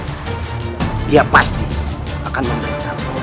tapi dia pasti akan memberitahu